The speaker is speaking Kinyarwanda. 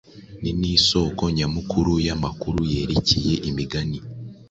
Ninisoko nyamukuru yamakuru yerekeye imigani